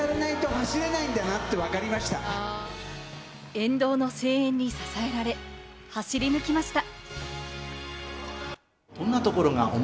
沿道の声援に支えられ、走り抜きました。